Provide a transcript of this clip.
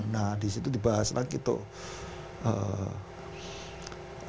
nah disitu dibahas lagi tuh